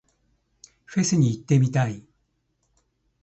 フェスに行ってみたい。